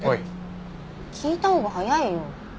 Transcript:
聞いたほうが早いよ。